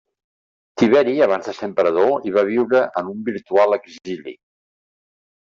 Tiberi, abans de ser emperador, hi va viure en un virtual exili.